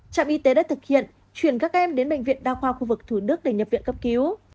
trạm y tế đã thực hiện chuyển các em đến bệnh viện đa khoa khu vực thủ đức để nhập viện cấp cứu